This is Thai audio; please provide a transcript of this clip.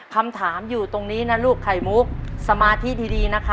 คำถามอยู่ตรงนี้นะลูกไข่มุกสมาธิดีนะคะ